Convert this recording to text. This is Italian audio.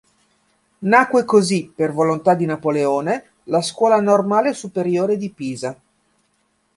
Nacque così, per volontà di Napoleone, la Scuola Normale Superiore di Pisa.